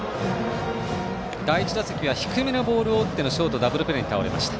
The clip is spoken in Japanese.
第１打席は低めのボールを打ってショートダブルプレーに倒れました。